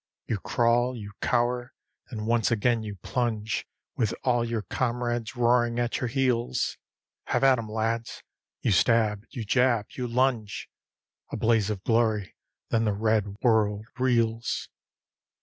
You crawl, you cower; then once again you plunge With all your comrades roaring at your heels. HAVE AT 'EM, LADS! You stab, you jab, you lunge; A blaze of glory, then the red world reels.